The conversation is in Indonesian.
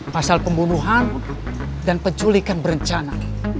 pasal pembunuhan dan penculikan berencana